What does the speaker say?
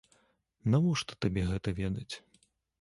Навошта табе гэта ведаць?